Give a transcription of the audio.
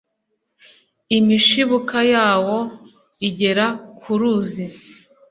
imishibuka yawo igera ku ruzi